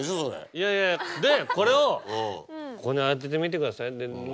いやいやでこれをここに当ててみてください。